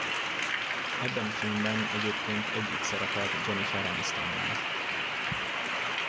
Ebben a filmben egyébként együtt szerepelt Jennifer Aniston-nal.